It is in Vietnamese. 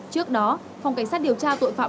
trước đó phòng cảnh sát điều tra tội phạm